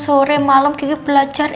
sore malam kiki belajar